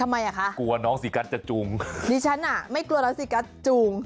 ไม่แดงก็น่าจะกวิ๊บได้อยู่